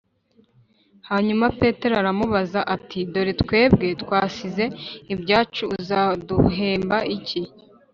Hanyuma Petero aramubaza ati dore twebwe twasize ibyacu uzaduhemba iki